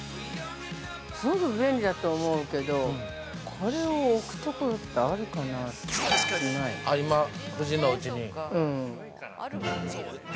◆すごく便利だと思うけどこれを置くところってあるかなって。